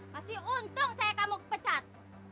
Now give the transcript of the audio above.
pasti untung saya kamu pecat